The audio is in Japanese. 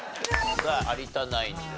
さあ有田ナインです。